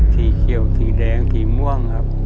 ทีเกียวทีแรงทีม่วงครับ